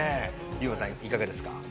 優馬さんいかがですか。